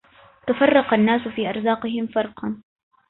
تفرق الناس في أرزاقهم فرقا